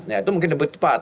ya itu mungkin lebih cepat